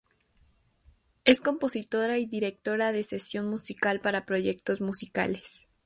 Es Compositora y directora de sesión musical para proyectos musicales.